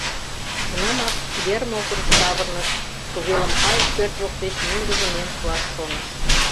Тунамак ер могырыш савырныш, тувелым кайык пӧрт воктеч мӧҥгыжӧ миен шуаш шоныш.